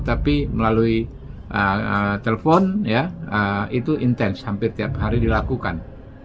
tapi melalui telepon itu intens hampir tiap hari dilakukan